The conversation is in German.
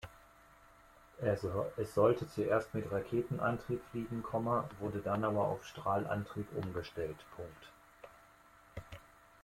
Es sollte zuerst mit Raketenantrieb fliegen, wurde dann aber auf Strahlantrieb umgestellt.